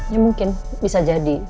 ya mungkin bisa jadi